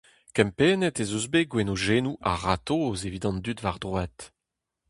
Kempennet ez eus bet gwenodennoù a-ratozh evit an dud war-droad.